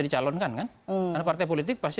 dicalonkan kan karena partai politik pasti